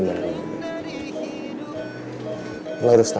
berikan aku cinta